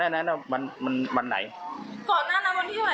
แล้วก่อนก่อนแน่น่ะมันมันมันไหนก่อนน่ะน่ะวันที่ไหว